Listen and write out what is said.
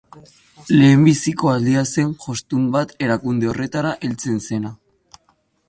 Lehenbiziko aldia zen jostun bat erakunde horretara heltzen zena.